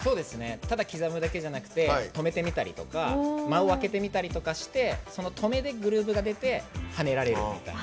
ただ刻むだけじゃなくて止めてみたりとか間を空けてみたりとかその止めでグルーヴが出て跳ねられるみたいな。